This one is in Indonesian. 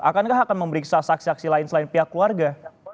akankah akan memeriksa saksi saksi lain selain pihak keluarga